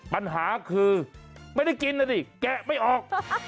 ปัญหาคือไม่ได้กินนะดิแกะไม่ออก